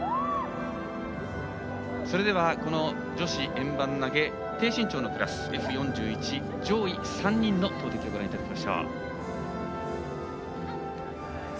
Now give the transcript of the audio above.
それでは、この女子円盤投げ低身長のクラスＦ４１上位３人の投てきをご覧いただきましょう。